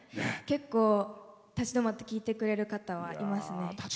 結構、立ち止まって聴いてくれる方はいますね。